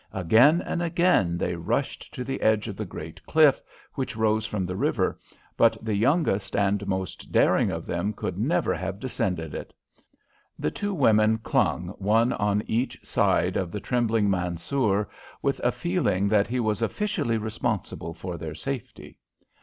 Again and again they rushed to the edge of the great cliff which rose from the river, but the youngest and most daring of them could never have descended it. The two women clung one on each side of the trembling Mansoor, with a feeling that he was officially responsible for their safety.